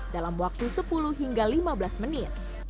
dalam waktu sepuluh hingga lima belas menit